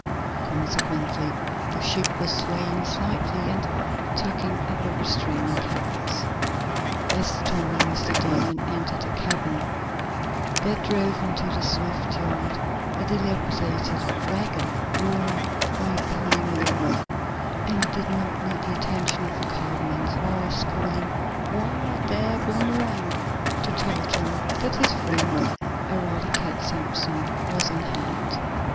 Consequently the ship was swaying slightly, and tugging at the restraining cables. As Tom and Mr. Damon entered the cabin there drove into the Swift yard a dilapidated wagon, drawn by a bony mule, and it did not need the addition of a colored man's voice, calling: "Whoa, dar, Boomerang!" to tell Tom that his friend Eradicate Sampson was on hand.